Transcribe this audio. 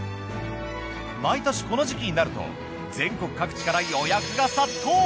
毎年この時期になると全国各地から予約が殺到！